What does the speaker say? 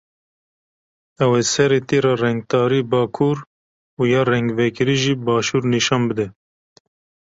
Ew ê serê tîra rengtarî bakur û ya rengvekirî jî başûr nîşan bide.